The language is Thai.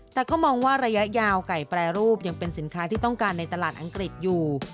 แต่ก็มองว่าระยะยาวไก่แปรรูปยังเป็นสินค้าที่ต้องการในตลาดอังกฤษอยู่